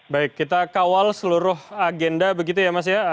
baik kita kawal seluruh agenda begitu ya mas ya